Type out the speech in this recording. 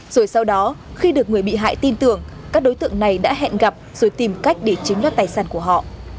rồi sau đó khi được người bị hại tin tưởng các đối tượng này đã hẹn gặp rồi tìm cách để chiếm đoạt tài sản của họ